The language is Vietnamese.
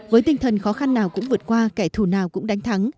với tinh thần khó khăn nào cũng vượt qua kẻ thù nào cũng đánh thắng